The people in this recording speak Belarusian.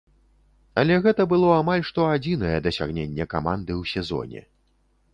Але гэта было амаль што адзінае дасягненне каманды ў сезоне.